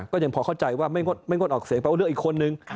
ก็ยังพอเข้าใจว่าไม่งดออกเสียงแปลว่าเลือกอีกคนนึง